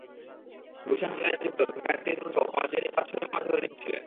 গুলশান হামলায় যুক্ত ঢাকার তিন তরুণসহ পাঁচজনই পাঁচ-ছয় মাস ধরে নিখোঁজ ছিলেন।